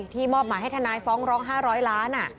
มอบหมายให้ทนายฟ้องร้อง๕๐๐ล้าน